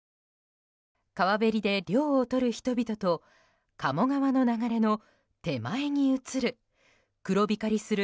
川べりで涼をとる人々と鴨川の流れの手前に写る黒光りする